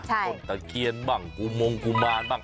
ต้นตะเคียนบ้างกุมงกุมารบ้าง